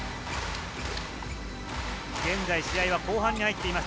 現在、試合は後半に入っています。